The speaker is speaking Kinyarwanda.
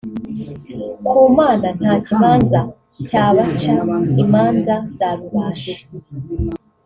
ku Mana nta kibanza cy’abaca imanza za Rubasha